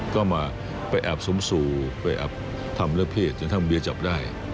ก็มาไปแอบสมสู่ไปแอบทำเรื่องเพศจนทั้งเบียจับได้